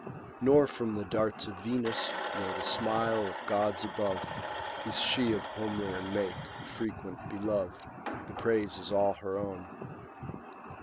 Nor from the darts of Venus, nor the smile Of gods above, is she of homelier make Frequent belov'd; the praise is all her own.